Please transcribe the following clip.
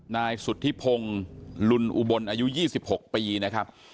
นายสุธิพงศ์ลุนอุบลอายุ๒๖ปีนะครับ